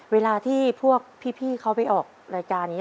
เวลาที่พวกพี่เขาไปออกรายการนี้